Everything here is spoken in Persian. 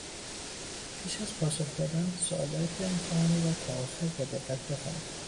پیش از پاسخ دادن، سوالات امتحانی را تا آخر با دقت بخوانید.